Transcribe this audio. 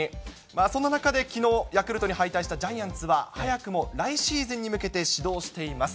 そんな中で、きのう、ヤクルトに敗退したジャイアンツは、早くも来シーズンに向けて始動しています。